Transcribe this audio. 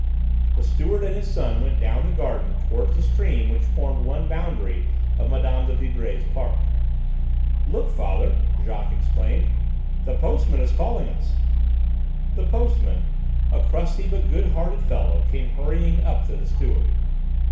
The steward and his son went down the garden towards the stream which formed one boundary of Mme. de Vibray's park. "Look, father," Jacques exclaimed, "the postman is calling us." The postman, a crusty but good hearted fellow, came hurrying up to the steward.